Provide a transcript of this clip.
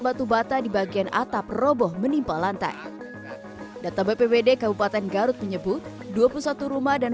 batu bata di bagian atap roboh menimpa lantai data bppd kabupaten garut menyebut dua puluh satu rumah dan